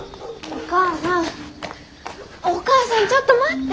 お母さんちょっと待って！